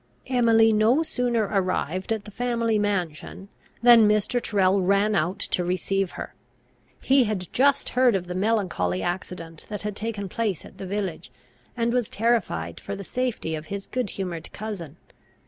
Emily no sooner arrived at the family mansion, than Mr. Tyrrel ran out to receive her. He had just heard of the melancholy accident that had taken place at the village, and was terrified for the safety of his good humoured cousin.